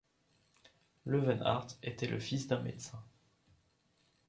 Löwenhardt était le fils d'un médecin.